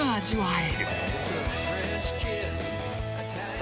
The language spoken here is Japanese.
え。